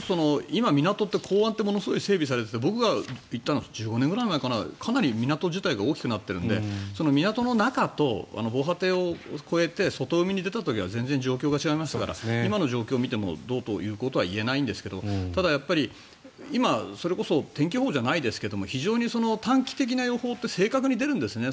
今、港って港湾ってものすごく整備されていて僕が行ったのは１５年ぐらい前かなかなり港自体が大きくなっているので港の中と防波堤を越えて外海に出た時は全然、状況が違いましたから今の状況を見てもどうということは言えないんですがただ、今それこそ天気予報じゃないですが非常に短期的な予報って正確に出るんですね。